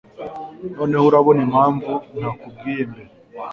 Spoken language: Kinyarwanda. Noneho urabona impamvu ntakubwiye mbere.